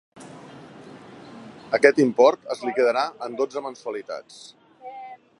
Aquest import es liquidarà en dotze mensualitats.